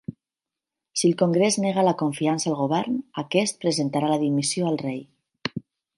Si el Congrés nega la confiança al Govern, aquest presentarà la dimissió al rei.